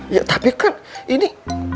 ya tapi kan ini